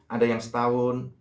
ada yang setahun